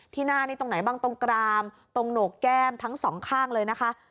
หน้านี่ตรงไหนบ้างตรงกรามตรงโหนกแก้มทั้งสองข้างเลยนะคะ